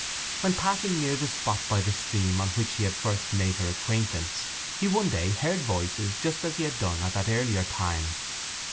When passing near the spot by the stream on which he had first made her acquaintance he one day heard voices just as he had done at that earlier time.